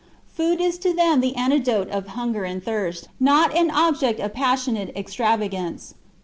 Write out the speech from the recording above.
Food is to them the antidote of hunger and thirst, not an object CHAP, of passionate extravagance.